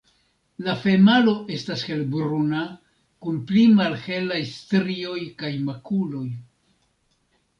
La femalo estas helbruna, kun pli malhelaj strioj kaj makuloj.